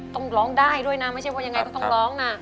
ต้องร้องได้ด้วยนะไม่ใช่ว่ายังไงก็ต้องร้องนะ